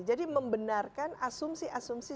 jadi membenarkan asumsi asumsi